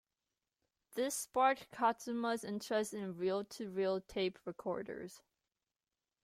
This sparked Katsuma's interest in reel-to-reel tape recorders.